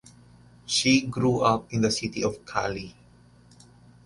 She grew up in the city of Cali.